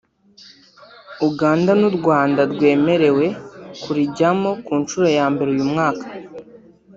Uganda n’u Rwanda rwemerewe kurijyamo ku nshuro ya mbere uyu mwaka